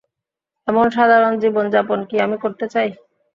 এমন সাধারণ জীবনযাপন কি আমি করতে চাই?